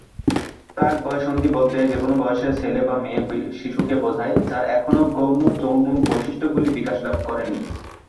প্রাক-বয়ঃসন্ধি বলতে যেকোনও বয়সের ছেলে বা মেয়ে শিশুকে বোঝায়, যার এখনও গৌণ যৌন বৈশিষ্ট্যগুলি বিকাশ লাভ করেনি।